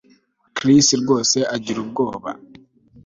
Chris rwose agira ubwoba